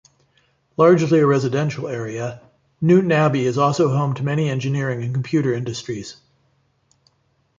Largely a residential area, Newtownabbey is also home to many engineering and computer industries.